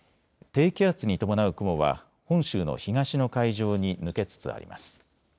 低気圧に伴う雲は本州の東の海上に抜けつつあります。